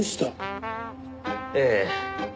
ええ。